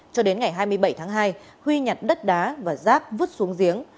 cho đến ngày hai mươi bảy tháng hai huy nhặt đất đá và rác vứt xuống giếng